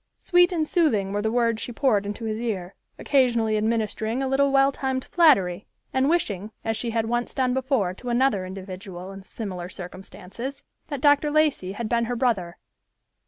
Sweet and soothing were the words she poured into his ear, occasionally administering a little well timed flattery, and wishing, as she had once done before to another individual in similar circumstances, that Dr. Lacey had been her brother.